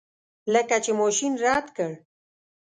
لکه چې ماشین رد کړ.